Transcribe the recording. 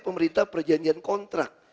pemerintah perjanjian kontrak